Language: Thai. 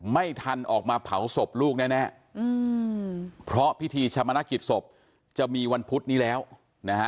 ไม่ทันออกมาเผาศพลูกแน่อืมเพราะพิธีชะมนกิจศพจะมีวันพุธนี้แล้วนะฮะ